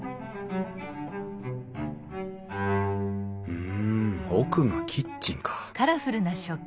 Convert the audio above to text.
うん奥がキッチンか。